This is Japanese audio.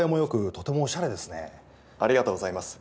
ありがとうございます。